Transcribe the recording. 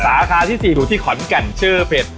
ราคาที่๔อยู่ที่ขอนแก่นชื่อเผ็ด